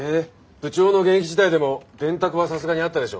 部長の現役時代でも電卓はさすがにあったでしょう。